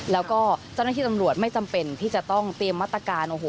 แล้วก็เจ้าหน้าที่ตำรวจไม่จำเป็นที่จะต้องเตรียมมาตรการโอ้โห